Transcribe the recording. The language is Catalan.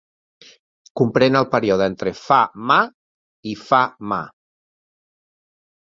Comprèn el període entre fa Ma i fa Ma.